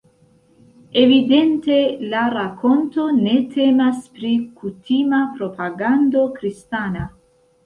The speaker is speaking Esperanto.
Evidente, la rakonto ne temas pri kutima propagando kristana.